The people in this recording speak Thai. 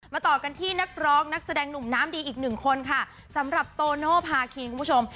ต่อกันที่นักร้องนักแสดงหนุ่มน้ำดีอีกหนึ่งคนค่ะสำหรับโตโนภาคินคุณผู้ชม